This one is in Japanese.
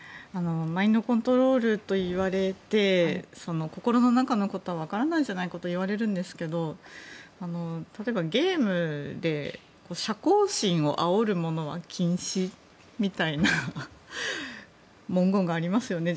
マインドコントロールといわれて心の中のことは分からないんじゃないかと言われるんですけど例えばゲームで射幸心をあおるものは禁止みたいな文言がありますよね。